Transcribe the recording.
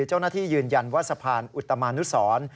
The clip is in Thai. เจ้าหน้าที่ยืนยันว่าสะพานอุตมานุสร